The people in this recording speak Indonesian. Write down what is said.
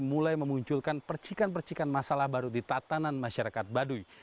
mulai memunculkan percikan percikan masalah baru di tatanan masyarakat baduy